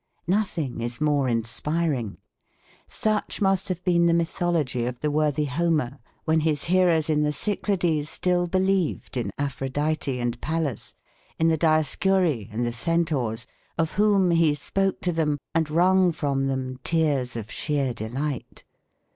Nothing is more inspiring. Such must have been the mythology of the worthy Homer when his hearers in the Cyclades still believed in Aphrodite and Pallas, in the Dioscuri and the Centaurs, of whom he spoke to them and wrung from them tears of sheer delight.